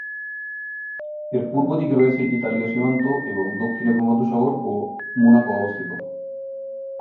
এর পূর্ব দিকে রয়েছে ইতালীয় সীমান্ত, এবং দক্ষিণে ভূমধ্যসাগর ও মোনাকো অবস্থিত।